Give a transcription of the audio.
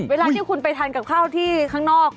เวลาที่คุณไปทานกับข้าวที่ข้างนอก